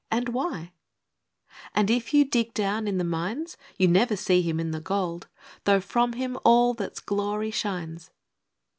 And why ? ii. And, if you dig down in the mines, You never see Him in the gold, Though, from Him, all that's glory, shines.